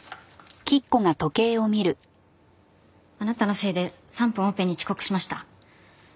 あなたのせいで３分オペに遅刻しました。